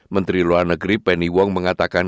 menteri luar negeri penny wong mengatakan